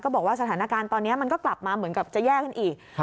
บอกว่าสถานการณ์ตอนนี้มันก็กลับมาเหมือนกับจะแย่ขึ้นอีก